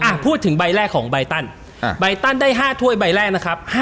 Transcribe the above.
พูดถึงใบแรกของใบตันใบตันได้๕ถ้วยใบแรกนะครับ